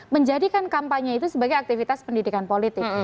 menjadikan kampanye itu sebagai aktivitas pendidikan politik